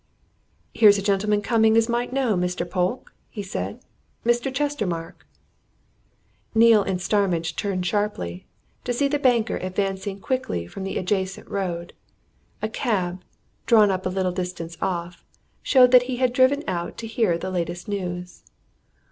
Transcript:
"Here's a gentleman coming as might know, Mr. Polke," he said. "Mr. Chestermarke!" Neale and Starmidge turned sharply to see the banker advancing quickly from the adjacent road. A cab, drawn up a little distance off, showed that he had driven out to hear the latest news.